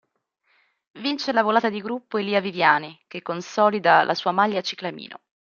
Vince la volata di gruppo Elia Viviani, che consolida la sua maglia ciclamino.